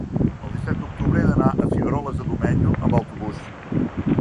El disset d'octubre he d'anar a Figueroles de Domenyo amb autobús.